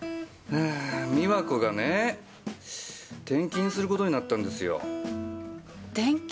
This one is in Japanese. あ美和子がね転勤する事になったんですよ。転勤！？